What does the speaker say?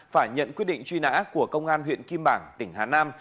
phải nhận quyết định truy nã của công an huyện kim bảng tỉnh hà nam